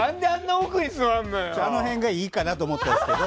あの辺がいいかなって思ったんですけど。